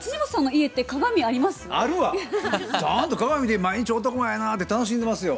ちゃんと鏡見て「毎日男前やな」って楽しんでますよ。